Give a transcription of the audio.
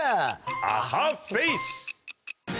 アハフェイス。